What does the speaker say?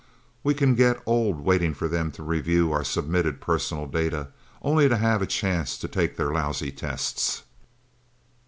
We can get old waiting for them to review our submitted personal data, only to have a chance to take their lousy tests!"